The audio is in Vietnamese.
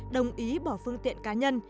đồng ý bỏ phương tiện cá nhân